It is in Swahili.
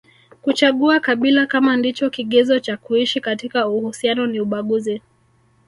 Kuchagua kabila kama ndicho kigezo cha kuishi katika uhusiano ni ubaguzi